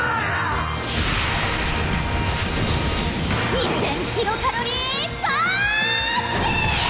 ２０００キロカロリーパーンチ！